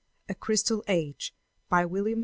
A CRYSTAL AGE BY W. H.